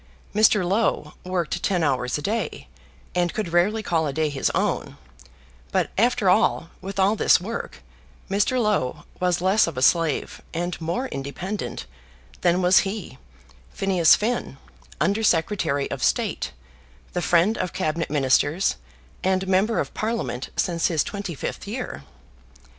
Mr. Low worked ten hours a day, and could rarely call a day his own; but, after all, with all this work, Mr. Low was less of a slave, and more independent, than was he, Phineas Finn, Under Secretary of State, the friend of Cabinet Ministers, and Member of Parliament since his twenty fifth year!